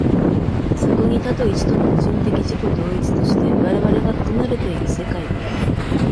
そこに多と一との矛盾的自己同一として我々が含まれている世界が、